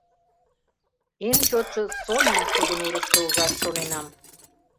Эн чотшо Соням шудо нурышто ужаш шоненам.